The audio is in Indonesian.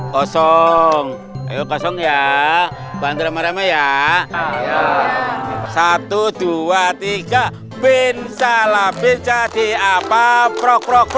kosong kosong ya bantuan merah merah ya satu ratus dua puluh tiga bintala bintati apa prok prok